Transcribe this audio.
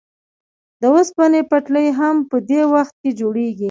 د اوسپنې پټلۍ هم په دې وخت کې جوړېږي